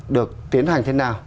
được tiến hành thế nào